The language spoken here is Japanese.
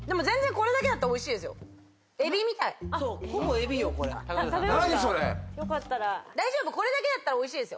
これだけだったらおいしいです。